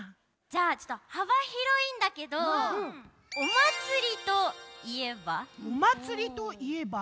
じゃあちょっとはばひろいんだけど「おまつりといえば」。